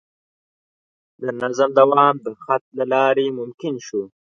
د نظم دوام د خط له لارې ممکن شو.